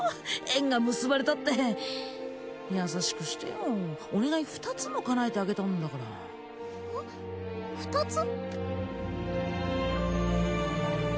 縁が結ばれたってヤサシクしてよーお願い二つも叶えてあげたんだからあ二つ？